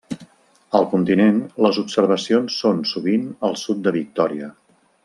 Al continent, les observacions són sovint al sud de Victòria.